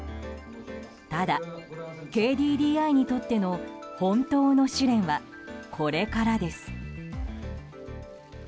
ただ、ＫＤＤＩにとっての本当の試練はこれからです。